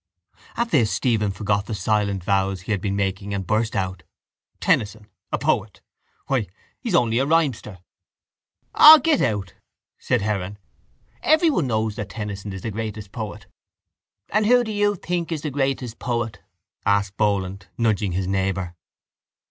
At this Stephen forgot the silent vows he had been making and burst out: —Tennyson a poet! Why, he's only a rhymester! —O, get out! said Heron. Everyone knows that Tennyson is the greatest poet. —And who do you think is the greatest poet? asked Boland, nudging his neighbour.